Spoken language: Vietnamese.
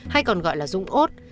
hay còn gọi là dũng út